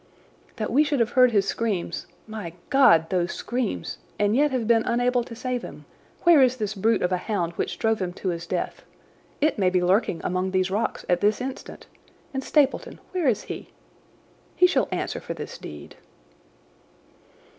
"That we should have heard his screams—my God, those screams!—and yet have been unable to save him! Where is this brute of a hound which drove him to his death? It may be lurking among these rocks at this instant. And Stapleton, where is he? He shall answer for this deed."